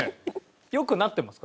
良くなってますか？